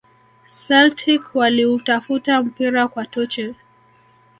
celtic waliutafuta mpira kwa tochi